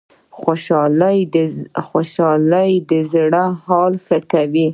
خوشحالي د زړه حال ښه کوي